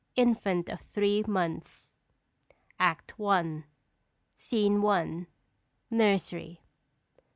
INFANT OF THREE MONTHS. ACT I. SCENE I. NURSERY.